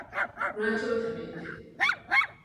Lwaki otamidde?